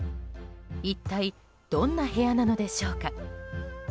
一体どんな部屋なのでしょうか。